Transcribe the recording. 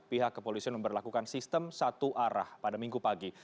pihak kepolisian memperlakukan sistem satu arah pada minggu pagi